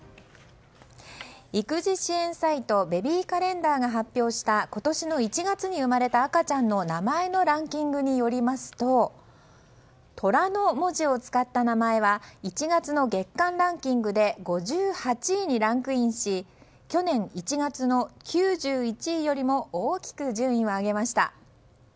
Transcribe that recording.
育児支援サイトベビーカレンダーが発表した今年の１月に生まれた赤ちゃんの名前のランキングによりますと「虎」の文字を使った名前は１月の月間ランキングで５８位にランクインし去年１月の９１位よりも大きく順位を上げました。